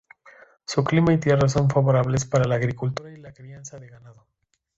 Su clima y tierras son favorables para la agricultura y la crianza de ganado.